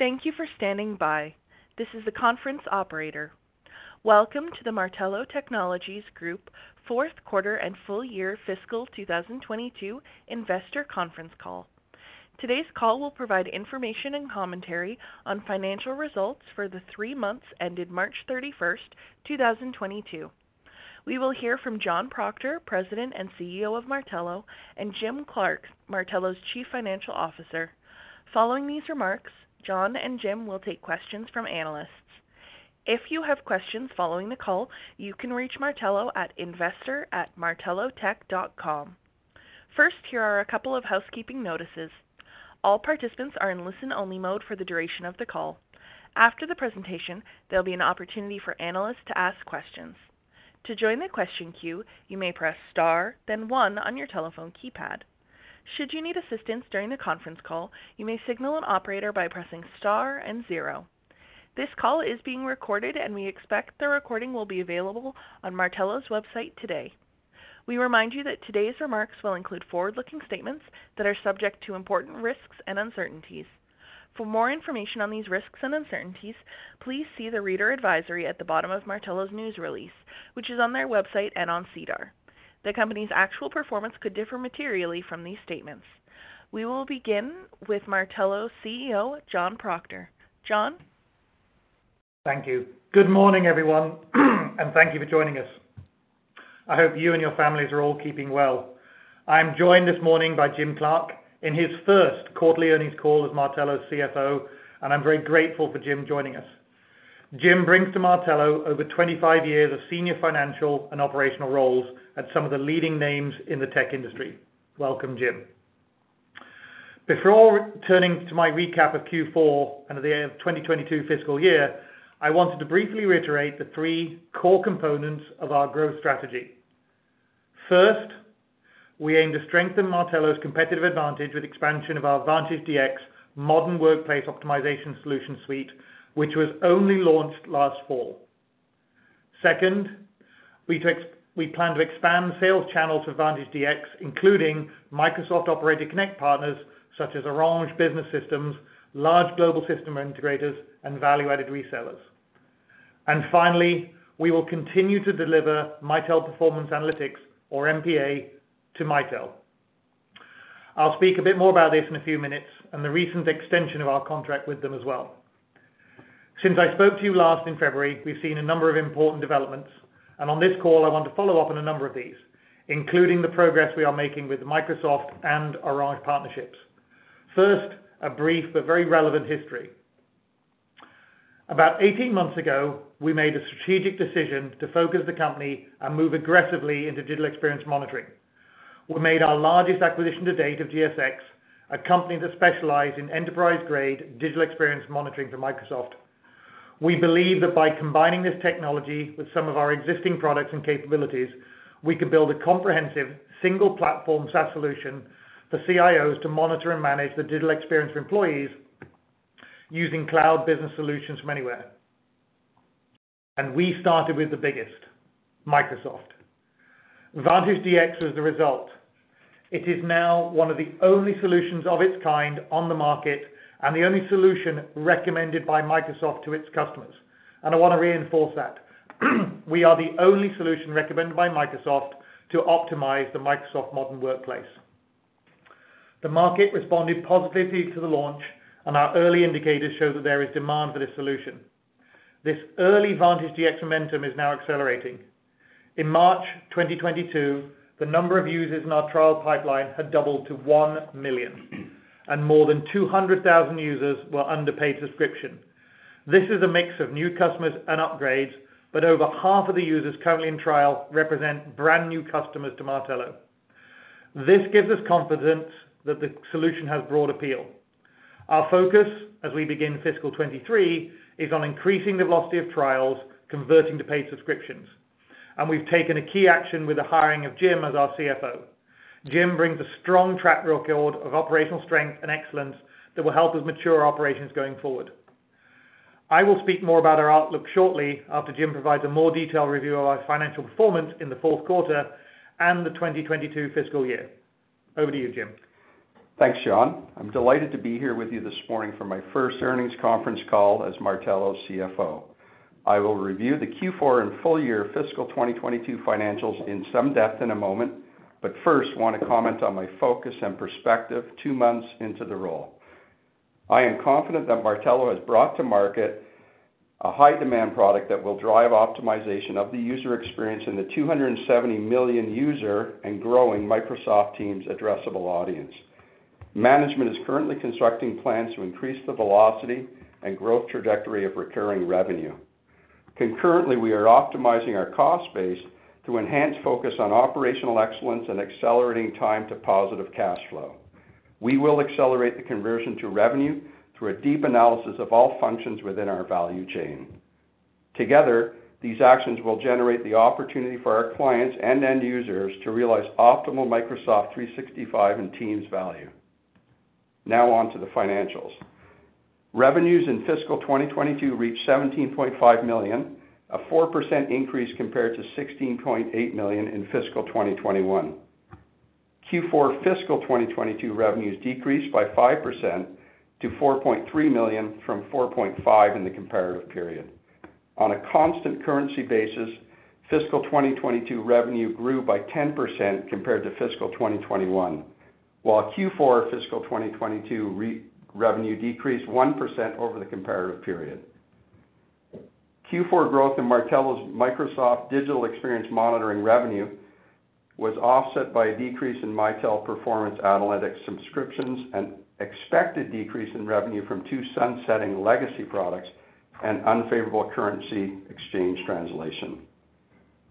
Thank you for standing by. This is the conference operator. Welcome to the Martello Technologies Group Q4 and Full Year Fiscal 2022 Investor Conference Call. Today's call will provide information and commentary on financial results for the three months ended 31 March 2022. We will hear from John Proctor, President and CEO of Martello, and Jim Clark, Martello's Chief Financial Officer. Following these remarks, John and Jim will take questions from analysts. If you have questions following the call, you can reach Martello at investor@martellotech.com. First, here are a couple of housekeeping notices. All participants are in listen-only mode for the duration of the call. After the presentation, there'll be an opportunity for analysts to ask questions. To join the question queue, you may press star, then one on your telephone keypad. Should you need assistance during the conference call, you may signal an operator by pressing star and zero. This call is being recorded, and we expect the recording will be available on Martello's website today. We remind you that today's remarks will include forward-looking statements that are subject to important risks and uncertainties. For more information on these risks and uncertainties, please see the reader advisory at the bottom of Martello's news release, which is on their website and on SEDAR. The company's actual performance could differ materially from these statements. We will begin with Martello's CEO, John Proctor. John? Thank you. Good morning, everyone, and thank you for joining us. I hope you and your families are all keeping well. I'm joined this morning by Jim Clark in his first quarterly earnings call as Martello's CFO, and I'm very grateful for Jim joining us. Jim brings to Martello over 25 years of senior financial and operational roles at some of the leading names in the tech industry. Welcome, Jim. Before turning to my recap of Q4 and the end of 2022 fiscal year, I wanted to briefly reiterate the three core components of our growth strategy. First, we aim to strengthen Martello's competitive advantage with expansion of our Vantage DX modern workplace optimization solution suite, which was only launched last fall. Second, we plan to expand the sales channel to Vantage DX, including Microsoft Operator Connect partners such as Orange Business, large global system integrators, and value-added resellers. Finally, we will continue to deliver Mitel Performance Analytics or MPA to Mitel. I'll speak a bit more about this in a few minutes and the recent extension of our contract with them as well. Since I spoke to you last in February, we've seen a number of important developments, and on this call, I want to follow up on a number of these, including the progress we are making with Microsoft and Orange partnerships. First, a brief but very relevant history. About 18 months ago, we made a strategic decision to focus the company and move aggressively into digital experience monitoring. We made our largest acquisition to date of GSX, a company that specialized in enterprise-grade digital experience monitoring for Microsoft. We believe that by combining this technology with some of our existing products and capabilities, we can build a comprehensive single platform SaaS solution for CIOs to monitor and manage the digital experience for employees using cloud business solutions from anywhere. We started with the biggest, Microsoft. Vantage DX was the result. It is now one of the only solutions of its kind on the market and the only solution recommended by Microsoft to its customers, and I want to reinforce that. We are the only solution recommended by Microsoft to optimize the Microsoft modern workplace. The market responded positively to the launch, and our early indicators show that there is demand for this solution. This early Vantage DX momentum is now accelerating. In March 2022, the number of users in our trial pipeline had doubled to 1 million, and more than 200,000 users were under paid subscription. This is a mix of new customers and upgrades, but over half of the users currently in trial represent brand-new customers to Martello. This gives us confidence that the solution has broad appeal. Our focus as we begin fiscal 2023 is on increasing the velocity of trials converting to paid subscriptions, and we've taken a key action with the hiring of Jim as our CFO. Jim brings a strong track record of operational strength and excellence that will help us mature our operations going forward. I will speak more about our outlook shortly after Jim provides a more detailed review of our financial performance in the Q4 and the 2022 fiscal year. Over to you, Jim. Thanks, John. I'm delighted to be here with you this morning for my first earnings conference call as Martello's CFO. I will review the Q4 and full year fiscal 2022 financials in some depth in a moment, but first want to comment on my focus and perspective two months into the role. I am confident that Martello has brought to market a high-demand product that will drive optimization of the user experience in the 270 million user and growing Microsoft Teams addressable audience. Management is currently constructing plans to increase the velocity and growth trajectory of recurring revenue. Concurrently, we are optimizing our cost base to enhance focus on operational excellence and accelerating time to positive cash flow. We will accelerate the conversion to revenue through a deep analysis of all functions within our value chain. Together, these actions will generate the opportunity for our clients and end users to realize optimal Microsoft 365 and Teams value. Now on to the financials. Revenues in fiscal 2022 reached 17.5 million, a 4% increase compared to 16.8 million in fiscal 2021. Q4 fiscal 2022 revenues decreased by 5% to 4.3 million from 4.5 million in the comparative period. On a constant currency basis, fiscal 2022 revenue grew by 10% compared to fiscal 2021, while Q4 fiscal 2022 revenue decreased 1% over the comparative period. Q4 growth in Martello's Microsoft Digital Experience Monitoring revenue was offset by a decrease in Mitel Performance Analytics subscriptions, an expected decrease in revenue from two sunsetting legacy products, and unfavorable currency exchange translation.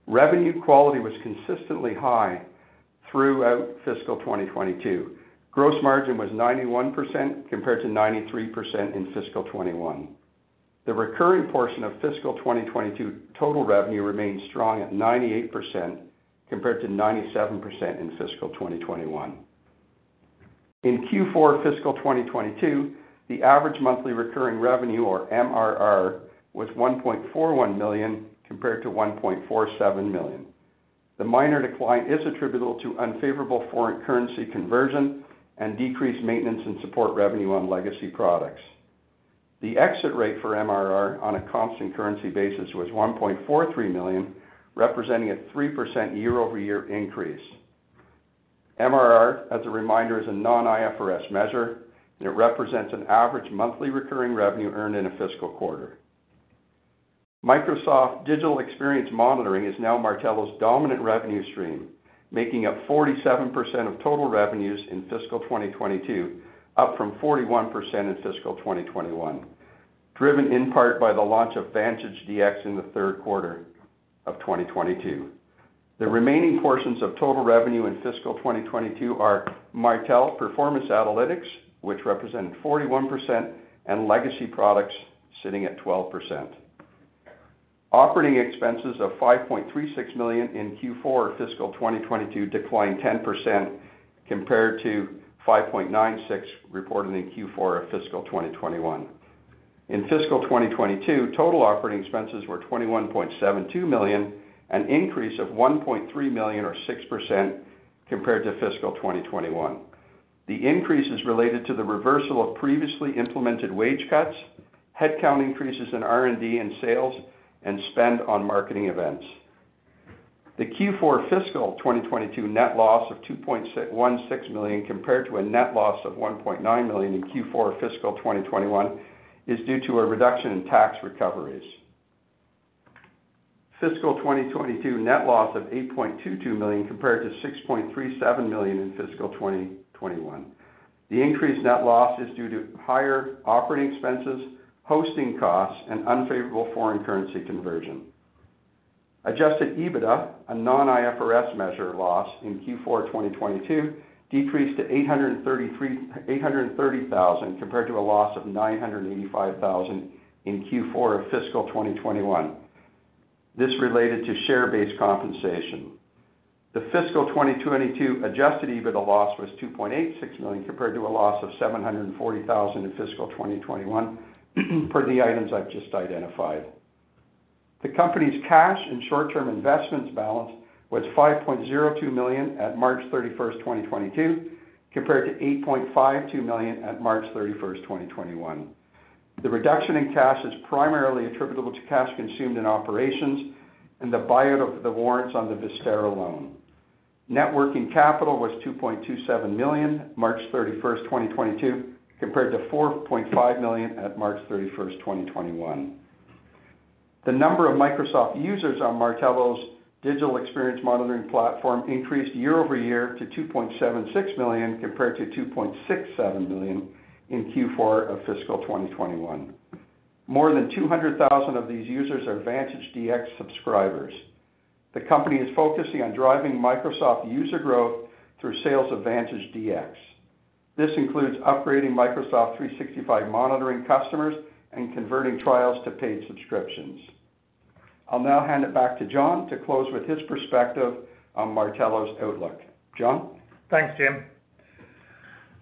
Revenue quality was consistently high throughout fiscal 2022. Gross margin was 91% compared to 93% in fiscal 2021. The recurring portion of fiscal 2022 total revenue remains strong at 98% compared to 97% in fiscal 2021. In Q4 fiscal 2022, the average monthly recurring revenue or MRR was 1.41 million compared to 1.47 million. The minor decline is attributable to unfavorable foreign currency conversion and decreased maintenance and support revenue on legacy products. The exit rate for MRR on a constant currency basis was 1.43 million, representing a 3% year-over-year increase. MRR, as a reminder, is a non-IFRS measure, and it represents an average monthly recurring revenue earned in a fiscal quarter. Microsoft Digital Experience Monitoring is now Martello's dominant revenue stream, making up 47% of total revenues in fiscal 2022, up from 41% in fiscal 2021, driven in part by the launch of Vantage DX in the Q3 of 2022. The remaining portions of total revenue in fiscal 2022 are Mitel Performance Analytics, which represent 41%, and legacy products sitting at 12%. Operating expenses of 5.36 million in Q4 fiscal 2022 declined 10% compared to 5.96 million, reported in Q4 of fiscal 2021. In fiscal 2022, total operating expenses were 21.72 million, an increase of 1.3 million or 6% compared to fiscal 2021. The increase is related to the reversal of previously implemented wage cuts, headcount increases in R&D and sales, and spend on marketing events. The Q4 fiscal 2022 net loss of 2.16 million compared to a net loss of 1.9 million in Q4 fiscal 2021 is due to a reduction in tax recoveries. Fiscal 2022 net loss of 8.22 million compared to 6.37 million in fiscal 2021. The increased net loss is due to higher operating expenses, hosting costs, and unfavorable foreign currency conversion. Adjusted EBITDA, a non-IFRS measure loss in Q4 2022 decreased to 830,000 compared to a loss of 985,000 in Q4 of fiscal 2021. This related to share-based compensation. The fiscal 2022 adjusted EBITDA loss was 2.86 million compared to a loss of 740,000 in fiscal 2021, per the items I've just identified. The company's cash and short-term investments balance was 5.02 million at 31 March 2022, compared to 8.52 million at 31 March 2021. The reduction in cash is primarily attributable to cash consumed in operations and the buyout of the warrants on the Vistara loan. Net working capital was 2.27 million, 31 March 2022, compared to 4.5 million at 31 March 2021. The number of Microsoft users on Martello's Digital Experience Monitoring platform increased year-over-year to 2.76 million compared to 2.67 million in Q4 of fiscal 2021. More than 200,000 of these users are Vantage DX subscribers. The company is focusing on driving Microsoft user growth through sales of Vantage DX. This includes upgrading Microsoft 365 Monitoring customers and converting trials to paid subscriptions. I'll now hand it back to John to close with his perspective on Martello's outlook. John? Thanks, Jim.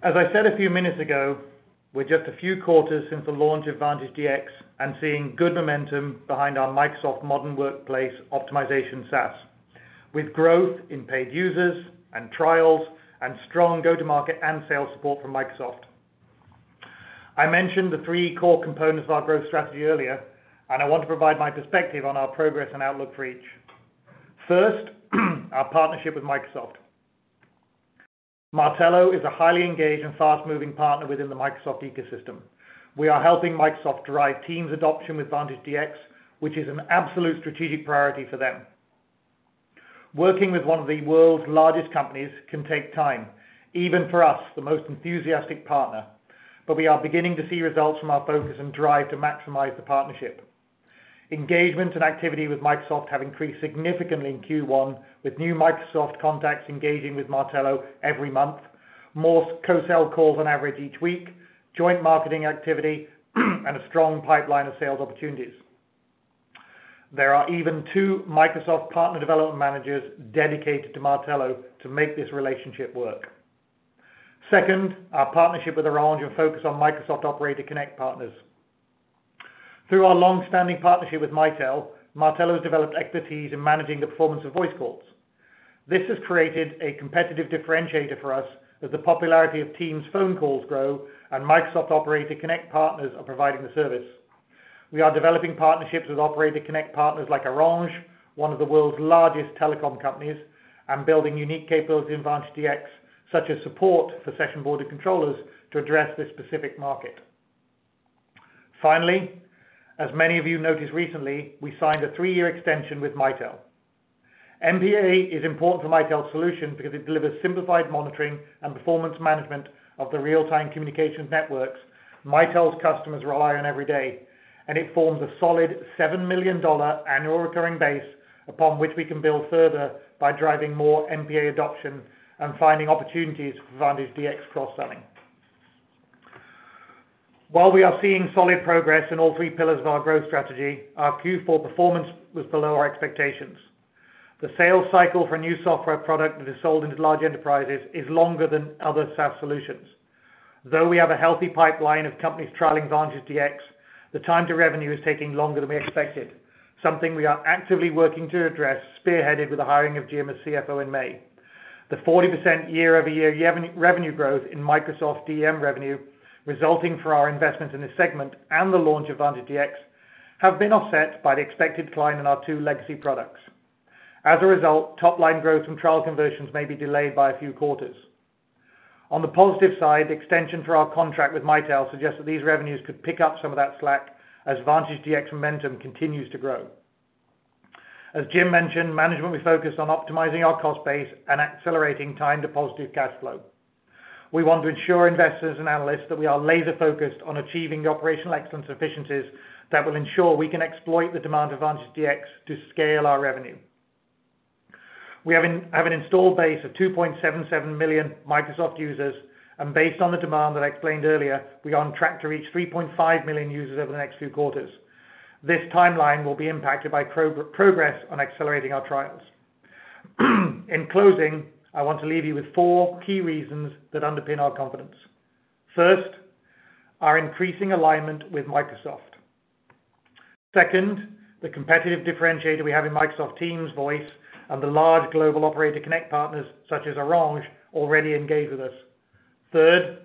As I said a few minutes ago, we're just a few quarters since the launch of Vantage DX and seeing good momentum behind our Microsoft Modern Workplace Optimization SaaS, with growth in paid users and trials and strong go-to-market and sales support from Microsoft. I mentioned the three core components of our growth strategy earlier, and I want to provide my perspective on our progress and outlook for each. First, our partnership with Microsoft. Martello is a highly engaged and fast-moving partner within the Microsoft ecosystem. We are helping Microsoft drive Teams adoption with Vantage DX, which is an absolute strategic priority for them. Working with one of the world's largest companies can take time, even for us, the most enthusiastic partner, but we are beginning to see results from our focus and drive to maximize the partnership. Engagement and activity with Microsoft have increased significantly in Q1, with new Microsoft contacts engaging with Martello every month, more co-sell calls on average each week, joint marketing activity, and a strong pipeline of sales opportunities. There are even two Microsoft partner development managers dedicated to Martello to make this relationship work. Second, our partnership with Orange and focus on Microsoft Operator Connect partners. Through our long-standing partnership with Mitel, Martello has developed expertise in managing the performance of voice calls. This has created a competitive differentiator for us as the popularity of Teams phone calls grow and Microsoft Operator Connect partners are providing the service. We are developing partnerships with Operator Connect partners like Orange, one of the world's largest telecom companies, and building unique capabilities in Vantage DX, such as support for session border controllers to address this specific market. Finally, as many of you noticed recently, we signed a three-year extension with Mitel. MPA is important for Mitel's solution because it delivers simplified monitoring and performance management of the real-time communications networks Mitel's customers rely on every day, and it forms a solid 7 million dollar annual recurring base upon which we can build further by driving more MPA adoption and finding opportunities for Vantage DX cross-selling. While we are seeing solid progress in all three pillars of our growth strategy, our Q4 performance was below our expectations. The sales cycle for a new software product that is sold into large enterprises is longer than other SaaS solutions. Though we have a healthy pipeline of companies trialing Vantage DX, the time to revenue is taking longer than we expected, something we are actively working to address, spearheaded with the hiring of Jim as CFO in May. The 40% year-over-year revenue growth in Microsoft DEM revenue resulting from our investment in this segment and the launch of Vantage DX have been offset by the expected decline in our two legacy products. As a result, top-line growth from trial conversions may be delayed by a few quarters. On the positive side, the extension of our contract with Mitel suggests that these revenues could pick up some of that slack as Vantage DX momentum continues to grow. As Jim mentioned, management will be focused on optimizing our cost base and accelerating time to positive cash flow. We want to ensure investors and analysts that we are laser-focused on achieving the operational excellence efficiencies that will ensure we can exploit the demand for Vantage DX to scale our revenue. We have an installed base of 2.77 million Microsoft users, and based on the demand that I explained earlier, we are on track to reach 3.5 million users over the next few quarters. This timeline will be impacted by progress on accelerating our trials. In closing, I want to leave you with four key reasons that underpin our confidence. First, our increasing alignment with Microsoft. Second, the competitive differentiator we have in Microsoft Teams Voice and the large global Operator Connect partners, such as Orange, already engaged with us. Third,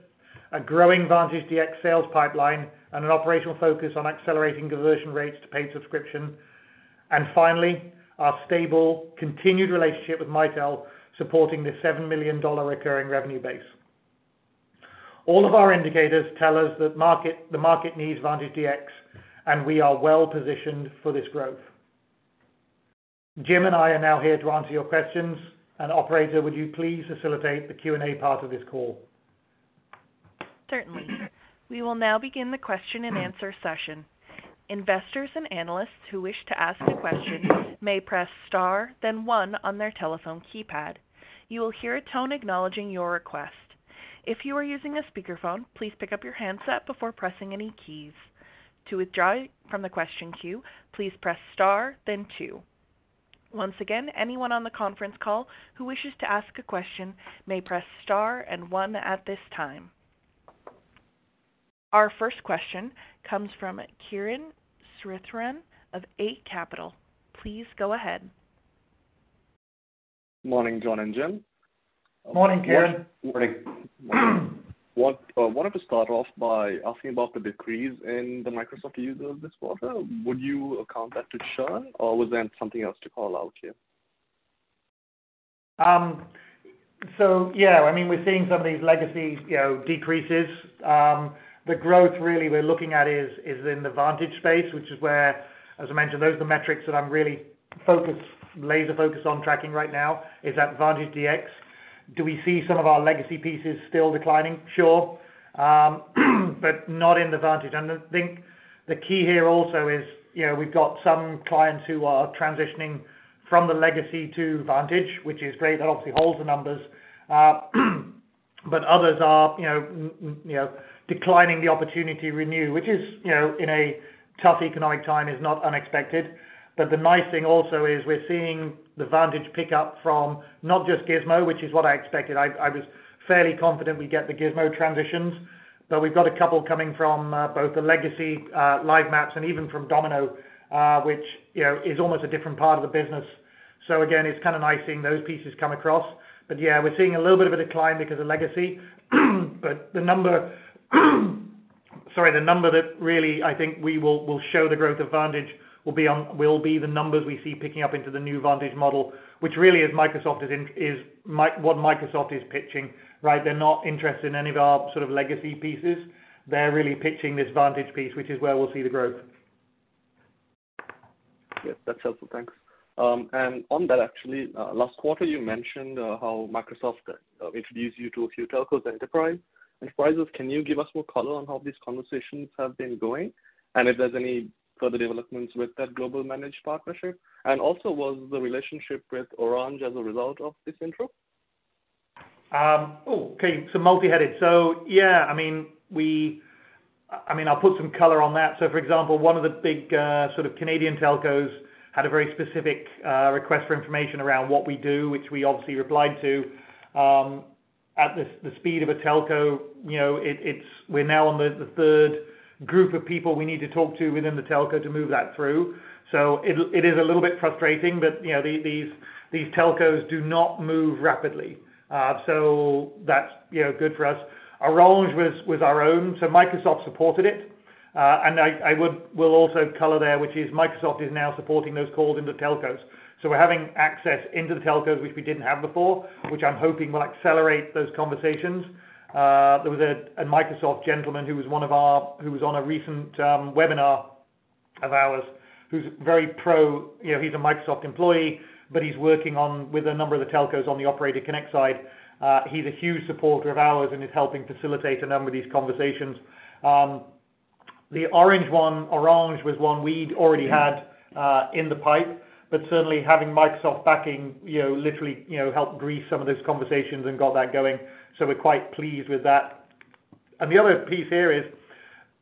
a growing Vantage DX sales pipeline and an operational focus on accelerating conversion rates to paid subscription. Finally, our stable, continued relationship with Mitel, supporting this 7 million dollar recurring revenue base. All of our indicators tell us that the market needs Vantage DX, and we are well-positioned for this growth. Jim and I are now here to answer your questions. Operator, would you please facilitate the Q&A part of this call? Certainly. We will now begin the question-and-answer session. Investors and analysts who wish to ask a question may press star then one on their telephone keypad. You will hear a tone acknowledging your request. If you are using a speakerphone, please pick up your handset before pressing any keys. To withdraw from the question queue, please press star then two. Once again, anyone on the conference call who wishes to ask a question may press star and one at this time. Our first question comes from Kiran Sritharan of Eight Capital. Please go ahead. Morning, John and Jim. Morning, Kiran. Morning. I wanted to start off by asking about the decrease in the Microsoft users this quarter. Would you attribute that to churn or was there something else to call out here? Yeah, I mean, we're seeing some of these legacy, you know, decreases. The growth really we're looking at is in the Vantage space, which is where, as I mentioned, those are the metrics that I'm really focused, laser-focused on tracking right now is that Vantage DX. Do we see some of our legacy pieces still declining? Sure. Not in the Vantage. I think the key here also is, you know, we've got some clients who are transitioning from the legacy to Vantage, which is great. That obviously holds the numbers. Others are, you know, declining the opportunity to renew, which is, you know, in a tough economic time is not unexpected. The nice thing also is we're seeing the Vantage pick up from not just Gizmo, which is what I expected. I was fairly confident we'd get the Gizmo transitions, but we've got a couple coming from both the legacy Live Maps and even from Domino, which, you know, is almost a different part of the business. Again, it's kind of nice seeing those pieces come across. Yeah, we're seeing a little bit of a decline because of legacy. The number that really I think we will show the growth of Vantage will be the numbers we see picking up into the new Vantage model, which really is what Microsoft is pitching, right? They're not interested in any of our sort of legacy pieces. They're really pitching this Vantage piece, which is where we'll see the growth. Yes, that's helpful. Thanks. On that actually, last quarter you mentioned how Microsoft introduced you to a few telcos, enterprises. Can you give us more color on how these conversations have been going, and if there's any further developments with that global managed partnership? Also, was the relationship with Orange as a result of this intro? Multi-headed. Yeah, I mean, I'll put some color on that. For example, one of the big, sort of Canadian telcos had a very specific request for information around what we do, which we obviously replied to. At the speed of a telco, you know, we're now on the third group of people we need to talk to within the telco to move that through. It is a little bit frustrating, but, you know, these telcos do not move rapidly. That's good for us. Orange was our own, so Microsoft supported it. We'll also color there, which is Microsoft is now supporting those calls into telcos. We're having access into the telcos, which we didn't have before, which I'm hoping will accelerate those conversations. There was a Microsoft gentleman who was on a recent webinar of ours, who's very pro. You know, he's a Microsoft employee, but he's working on with a number of the telcos on the Operator Connect side. He's a huge supporter of ours and is helping facilitate a number of these conversations. The Orange one, Orange was one we'd already had in the pipe, but certainly having Microsoft backing, you know, literally, you know, helped grease some of those conversations and got that going. We're quite pleased with that. The other piece here is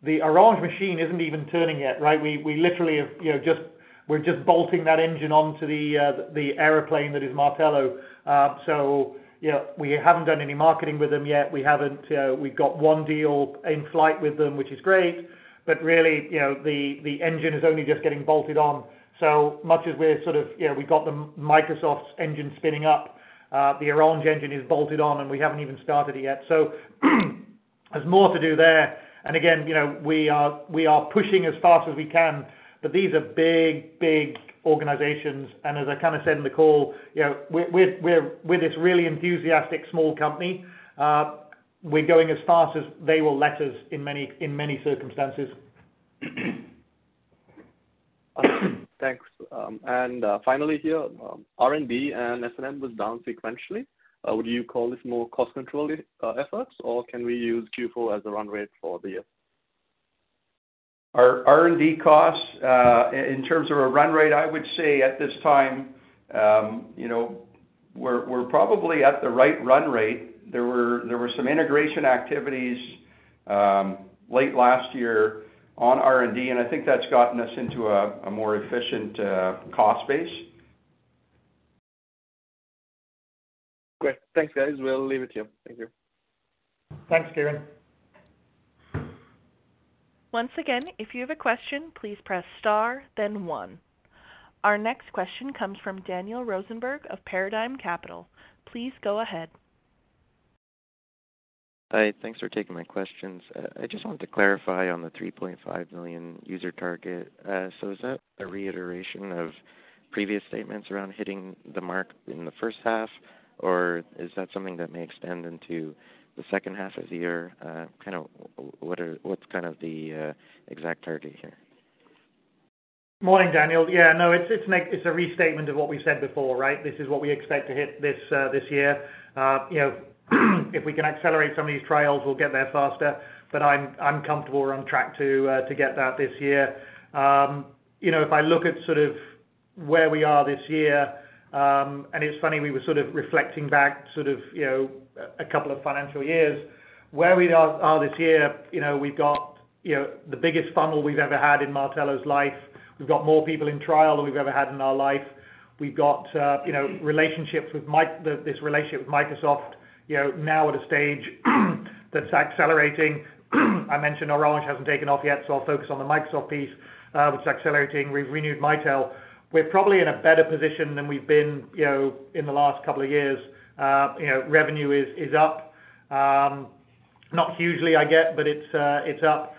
the Orange machine isn't even turning yet, right? We literally have, you know, we're just bolting that engine onto the airplane that is Martello. You know, we haven't done any marketing with them yet. We've got one deal in flight with them, which is great, but really, you know, the engine is only just getting bolted on. Much as we're sort of, you know, we've got the Microsoft engine spinning up, the Orange engine is bolted on, and we haven't even started it yet. There's more to do there. Again, you know, we are pushing as fast as we can, but these are big organizations, and as I kind of said in the call, you know, we're this really enthusiastic small company, we're going as fast as they will let us in many circumstances. Thanks. Finally here, R&D and S&M was down sequentially. Would you call this more cost control efforts, or can we use Q4 as a run rate for the year? Our R&D costs in terms of a run rate, I would say at this time, you know, we're probably at the right run rate. There were some integration activities late last year on R&D, and I think that's gotten us into a more efficient cost base. Great. Thanks, guys. We'll leave it to you. Thank you. Thanks, Kiran. Once again, if you have a question, please press star then one. Our next question comes from Daniel Rosenberg of Paradigm Capital. Please go ahead. Hi. Thanks for taking my questions. I just wanted to clarify on the 3.5 million user target. Is that a reiteration of previous statements around hitting the mark in the first half, or is that something that may extend into the second half of the year? What’s the exact clarity here? Morning, Daniel. Yeah, no, it's a restatement of what we said before, right? This is what we expect to hit this year. You know, if we can accelerate some of these trials, we'll get there faster. I'm comfortable we're on track to get that this year. You know, if I look at sort of where we are this year, and it's funny, we were sort of reflecting back sort of, you know, a couple of financial years, where we are this year, you know, we've got, you know, the biggest funnel we've ever had in Martello's life. We've got more people in trial than we've ever had in our life. You know, relationships with Microsoft, this relationship with Microsoft, you know, now at a stage that's accelerating. I mentioned Orange hasn't taken off yet. I'll focus on the Microsoft piece, which is accelerating. We've renewed Mitel. We're probably in a better position than we've been, you know, in the last couple of years. You know, revenue is up. Not hugely, I get, but it's up.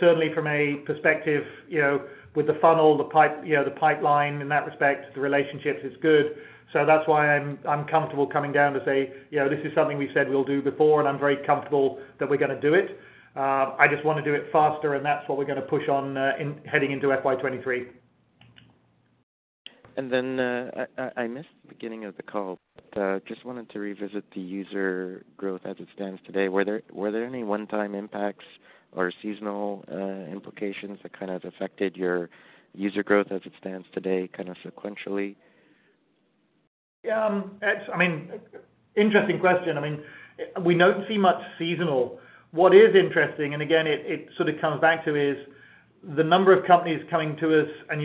Certainly from a perspective, you know, with the funnel, the pipe, you know, the pipeline in that respect, the relationships is good. That's why I'm comfortable coming down to say, you know, this is something we said we'll do before, and I'm very comfortable that we're gonna do it. I just wanna do it faster, and that's what we're gonna push on in heading into FY 2023. I missed the beginning of the call, but just wanted to revisit the user growth as it stands today. Were there any one-time impacts or seasonal implications that kind of affected your user growth as it stands today kind of sequentially? Yeah. I mean, interesting question. I mean, we don't see much seasonal. What is interesting, and again, it sort of comes back to is the number of companies coming to us, and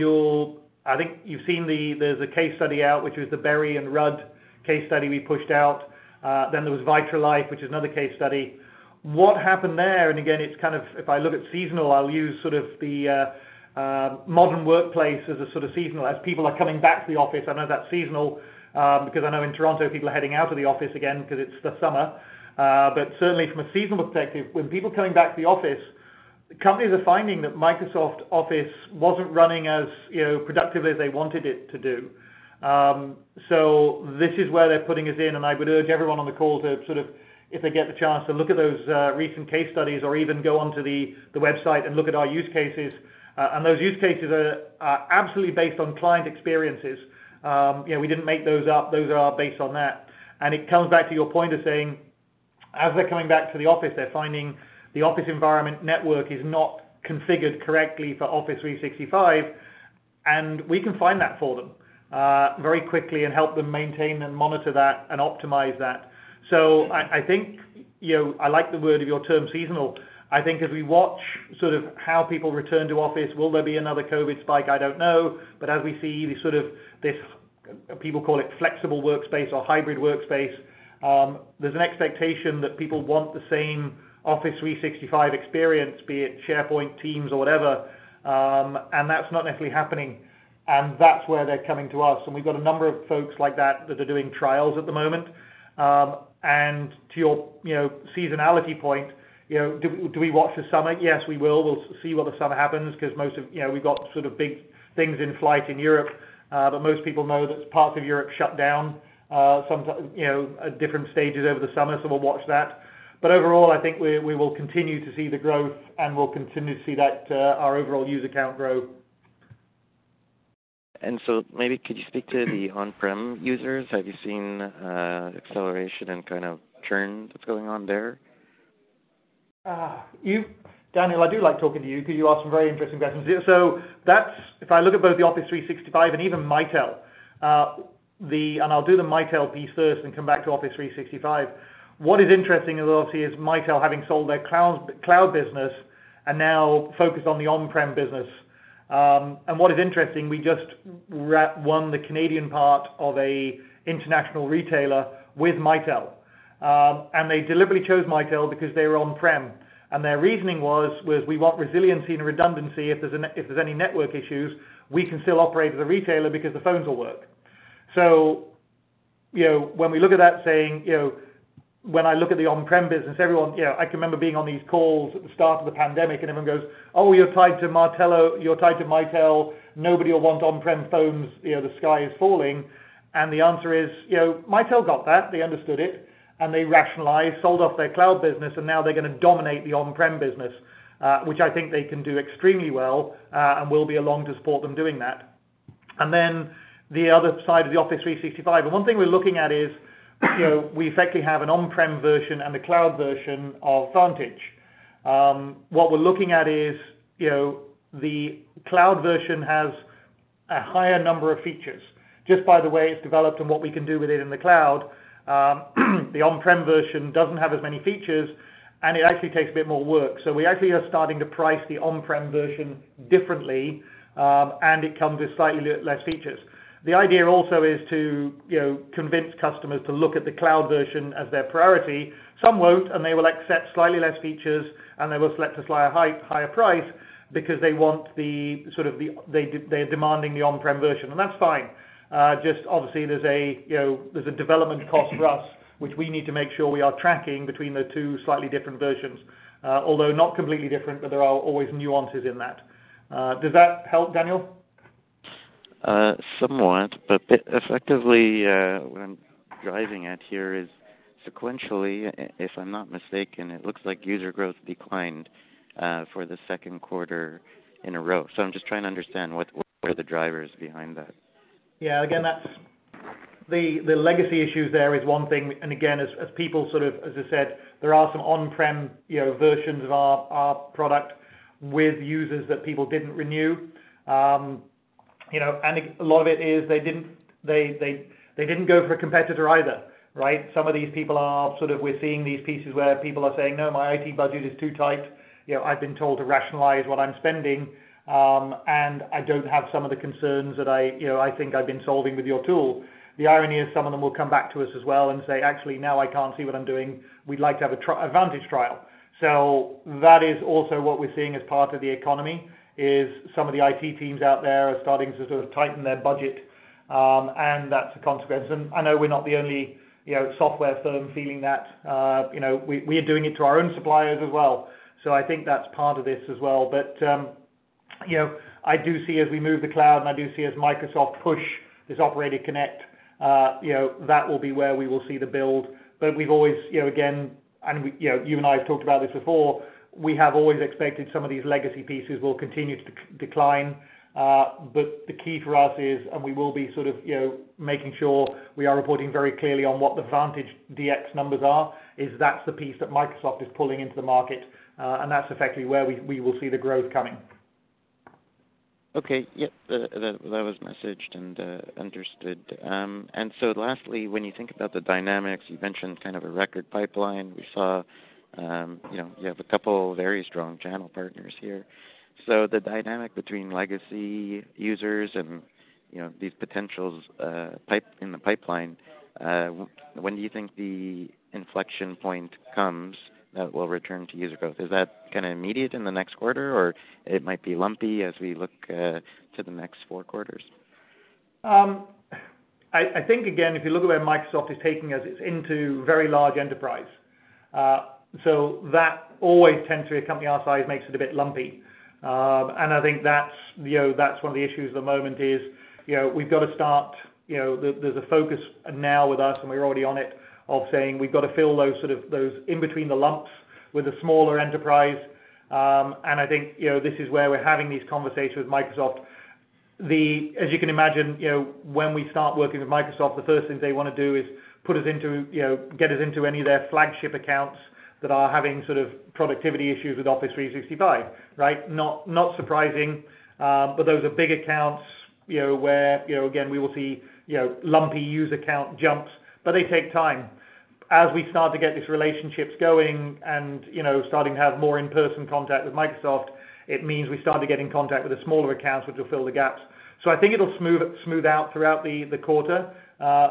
I think you've seen the case study out, which was the Berry Bros. & Rudd case study we pushed out. Then there was Vitrolife, which is another case study. What happened there, and again, it's kind of if I look at seasonal, I'll use sort of the modern workplace as a sort of seasonal. As people are coming back to the office, I know that's seasonal, because I know in Toronto, people are heading out of the office again because it's the summer. Certainly from a seasonal perspective, with people coming back to the office, companies are finding that Microsoft Office wasn't running as, you know, productively as they wanted it to do. This is where they're putting us in, and I would urge everyone on the call to sort of, if they get the chance, to look at those recent case studies or even go onto the website and look at our use cases. Those use cases are absolutely based on client experiences. You know, we didn't make those up. Those are based on that. It comes back to your point of saying, as they're coming back to the office, they're finding the office environment network is not configured correctly for Office 365, and we can find that for them, very quickly and help them maintain and monitor that and optimize that. I think. You know, I like the word of your term seasonal. I think as we watch sort of how people return to office, will there be another COVID spike? I don't know. As we see the sort of this, people call it flexible workspace or hybrid workspace, there's an expectation that people want the same Office 365 experience, be it SharePoint, Teams, or whatever, and that's not necessarily happening, and that's where they're coming to us. We've got a number of folks like that that are doing trials at the moment. To your, you know, seasonality point, you know, do we watch the summer? Yes, we will. We'll see what happens this summer because we've got sort of big things in flight in Europe, but most people know that parts of Europe shut down sometime, you know, at different stages over the summer, so we'll watch that. Overall, I think we will continue to see the growth and we'll continue to see that our overall user count grow. Maybe could you speak to the on-prem users? Have you seen acceleration and kind of churn that's going on there? Daniel, I do like talking to you because you ask some very interesting questions. If I look at both the Office 365 and even Mitel, I'll do the Mitel piece first and come back to Office 365. What is interesting is obviously Mitel having sold their cloud business and now focused on the on-prem business. What is interesting, we just won the Canadian part of an international retailer with Mitel. They deliberately chose Mitel because they were on-prem. Their reasoning was we want resiliency and redundancy. If there's any network issues, we can still operate as a retailer because the phones will work. You know, when we look at that saying, you know, when I look at the on-prem business, everyone, you know. I can remember being on these calls at the start of the pandemic and everyone goes, "Oh, you're tied to Martello, you're tied to Mitel. Nobody will want on-prem phones. You know, the sky is falling." The answer is, you know, Mitel got that, they understood it, and they rationalized, sold off their cloud business, and now they're gonna dominate the on-prem business, which I think they can do extremely well, and we'll be along to support them doing that. The other side of the Office 365, and one thing we're looking at is, you know, we effectively have an on-prem version and a cloud version of Vantage. What we're looking at is, you know, the cloud version has a higher number of features. Just by the way it's developed and what we can do with it in the cloud, the on-prem version doesn't have as many features, and it actually takes a bit more work. We actually are starting to price the on-prem version differently, and it comes with slightly less features. The idea also is to, you know, convince customers to look at the cloud version as their priority. Some won't, and they will accept slightly less features, and they will select a higher price because they want the sort of the, they're demanding the on-prem version. And that's fine. Just obviously there's a, you know, there's a development cost for us, which we need to make sure we are tracking between the two slightly different versions. Although not completely different, but there are always nuances in that. Does that help, Daniel? Somewhat, but effectively, what I'm driving at here is sequentially, if I'm not mistaken, it looks like user growth declined for the second quarter in a row. I'm just trying to understand what are the drivers behind that? Yeah. Again, that's the legacy issues there is one thing. Again, as people sort of, as I said, there are some on-prem, you know, versions of our product with users that people didn't renew. You know, a lot of it is they didn't go for a competitor either, right? We're seeing these pieces where people are saying, "No, my IT budget is too tight." You know, "I've been told to rationalize what I'm spending, and I don't have some of the concerns that I, you know, I think I've been solving with your tool." The irony is some of them will come back to us as well and say, "Actually, now I can't see what I'm doing. We'd like to have a Vantage trial." That is also what we're seeing as part of the economy, is some of the IT teams out there are starting to sort of tighten their budget, and that's a consequence. I know we're not the only, you know, software firm feeling that. You know, we are doing it to our own suppliers as well. I think that's part of this as well. You know, I do see as we move to cloud and I do see as Microsoft push this Operator Connect, you know, that will be where we will see the build. We've always, you know, again, and we, you know, you and I have talked about this before, we have always expected some of these legacy pieces will continue to decline. The key for us is, and we will be sort of, you know, making sure we are reporting very clearly on what the Vantage DX numbers are. That's the piece that Microsoft is pulling into the market, and that's effectively where we will see the growth coming. Okay. Yeah. That was messaged and understood. Lastly, when you think about the dynamics, you mentioned kind of a record pipeline. We saw, you know, you have a couple very strong channel partners here. The dynamic between legacy users and, you know, these potentials in the pipeline, when do you think the inflection point comes that will return to user growth? Is that kind of immediate in the next quarter or it might be lumpy as we look to the next four quarters? I think again, if you look at where Microsoft is taking us, it's into very large enterprise. That always tends to, a company our size, makes it a bit lumpy. I think that's, you know, that's one of the issues at the moment is, you know, we've got to start, you know, there's a focus now with us, and we're already on it, of saying we've got to fill those sort of, those in between the lumps with a smaller enterprise. I think, you know, this is where we're having these conversations with Microsoft. As you can imagine, you know, when we start working with Microsoft, the first thing they wanna do is put us into, you know, get us into any of their flagship accounts that are having sort of productivity issues with Office 365, right? Not surprising, but those are big accounts, you know, where, you know, again, we will see, you know, lumpy user count jumps, but they take time. As we start to get these relationships going and, you know, starting to have more in-person contact with Microsoft, it means we start to get in contact with the smaller accounts, which will fill the gaps. I think it'll smooth out throughout the quarter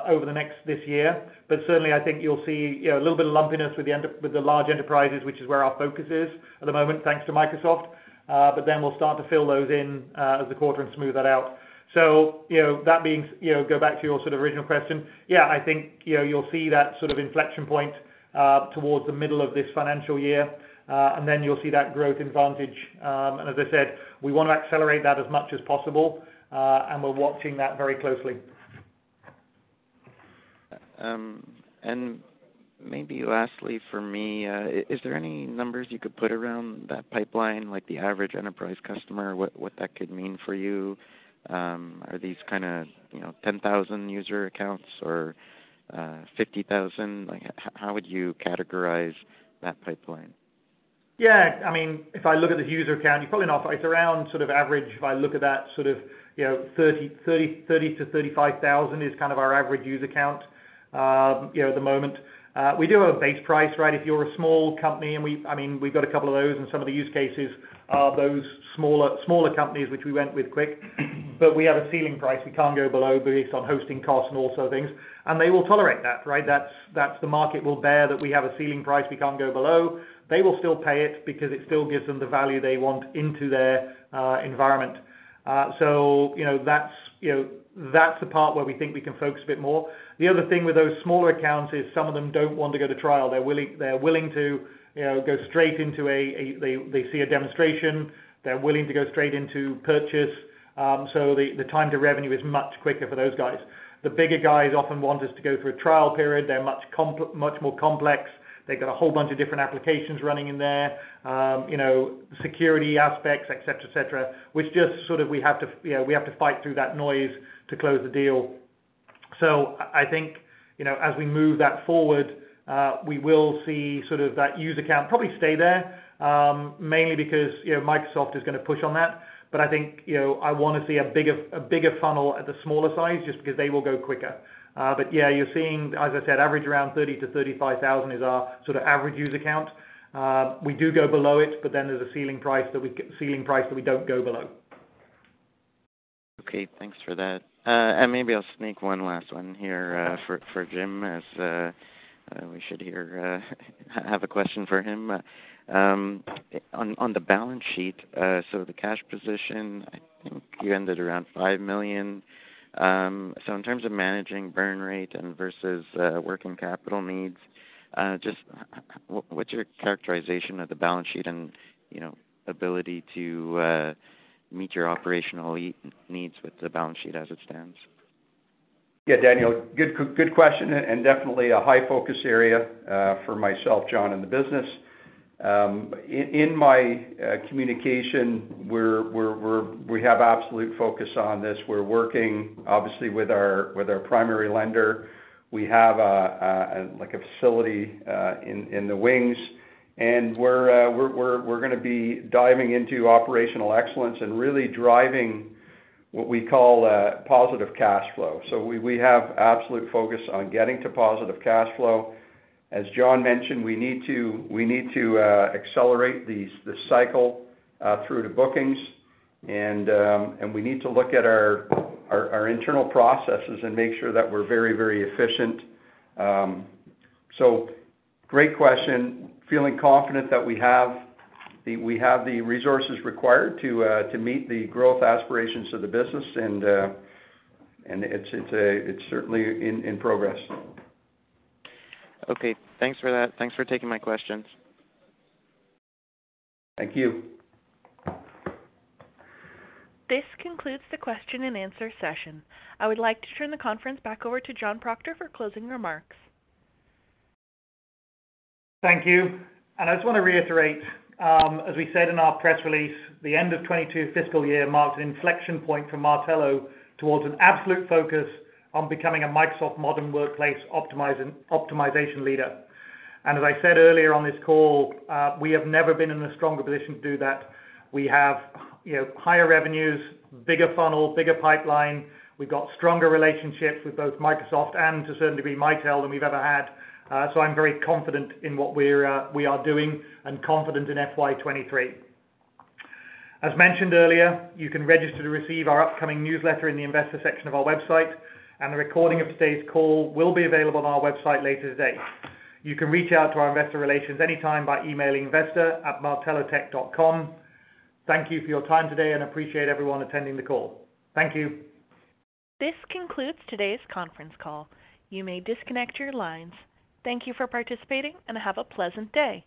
over the next this year. Certainly, I think you'll see, you know, a little bit of lumpiness with the large enterprises, which is where our focus is at the moment, thanks to Microsoft, but then we'll start to fill those in as the quarter and smooth that out. You know, that being, you know, go back to your sort of original question. Yeah, I think, you know, you'll see that sort of inflection point towards the middle of this financial year, and then you'll see that growth advantage. As I said, we wanna accelerate that as much as possible, and we're watching that very closely. Maybe lastly for me, is there any numbers you could put around that pipeline, like the average enterprise customer, what that could mean for you? Are these kinda, you know, 10,000 user accounts or, 50,000? Like, how would you categorize that pipeline? Yeah. I mean, if I look at the user count, you probably know it's around sort of average. If I look at that sort of, you know, 30,0000-35,000 is kind of our average user count, you know, at the moment. We do have a base price, right? If you're a small company, I mean, we've got a couple of those, and some of the use cases are those smaller companies which we went with quick. We have a ceiling price we can't go below based on hosting costs and also things, and they will tolerate that, right? That's the market will bear that we have a ceiling price we can't go below. They will still pay it because it still gives them the value they want into their environment. You know, that's the part where we think we can focus a bit more. The other thing with those smaller accounts is some of them don't want to go to trial. They're willing to, you know, go straight into they see a demonstration. They're willing to go straight into purchase. The time to revenue is much quicker for those guys. The bigger guys often want us to go through a trial period. They're much more complex. They've got a whole bunch of different applications running in there. You know, security aspects, et cetera, which just sort of we have to fight through that noise to close the deal. I think, you know, as we move that forward, we will see sort of that user count probably stay there, mainly because, you know, Microsoft is gonna push on that. I think, you know, I wanna see a bigger funnel at the smaller size just because they will go quicker. Yeah, you're seeing, as I said, average around 30,000-35,000 is our sort of average user count. We do go below it, but then there's a ceiling price that we don't go below. Okay, thanks for that. Maybe I'll sneak one last one here, for Jim, have a question for him. On the balance sheet, the cash position, I think you ended around 5 million. In terms of managing burn rate and versus working capital needs, just what's your characterization of the balance sheet and, you know, ability to meet your operational needs with the balance sheet as it stands? Yeah, Daniel, good question and definitely a high focus area for myself, John, and the business. In my communication, we have absolute focus on this. We're working obviously with our primary lender. We have like a facility in the wings, and we're gonna be diving into operational excellence and really driving what we call positive cash flow. We have absolute focus on getting to positive cash flow. As John mentioned, we need to accelerate this cycle through to bookings, and we need to look at our internal processes and make sure that we're very, very efficient. Great question. Feeling confident that we have the resources required to meet the growth aspirations of the business, and it's certainly in progress. Okay. Thanks for that. Thanks for taking my questions. Thank you. This concludes the question and answer session. I would like to turn the conference back over to John Proctor for closing remarks. Thank you. I just want to reiterate, as we said in our press release, the end of 2022 fiscal year marks an inflection point for Martello towards an absolute focus on becoming a Microsoft modern workplace optimization leader. As I said earlier on this call, we have never been in a stronger position to do that. We have, you know, higher revenues, bigger funnel, bigger pipeline. We've got stronger relationships with both Microsoft and to a certain degree, Mitel than we've ever had. I'm very confident in what we are doing and confident in FY 2023. As mentioned earlier, you can register to receive our upcoming newsletter in the investor section of our website, and a recording of today's call will be available on our website later today. You can reach out to our investor relations anytime by emailing investor@martellotech.com. Thank you for your time today and appreciate everyone attending the call. Thank you. This concludes today's conference call. You may disconnect your lines. Thank you for participating, and have a pleasant day.